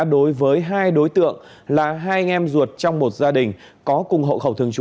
đối với hai đối tượng là hai anh em ruột trong một gia đình có cùng hậu khẩu thường trú